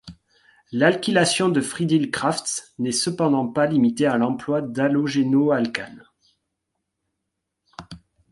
L'alkylation de Friedel-Crafts n'est cependant pas limitée à l'emploi d'halogénoalcanes.